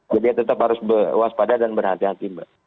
jadi tetap harus waspada dan berhati hati mbak